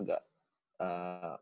mungkin lebih berpengaruh